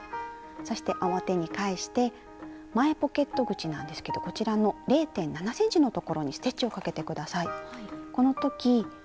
そして表に返して前ポケット口なんですけどこちらの０．７ｃｍのところにステッチをかけて下さい。